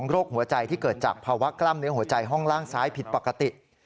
โรคหัวใจที่เกิดจากภาวะกล้ามเนื้อหัวใจห้องล่างซ้ายผิดปกติ